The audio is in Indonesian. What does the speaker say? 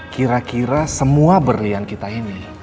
kira kira semua berlian kita ini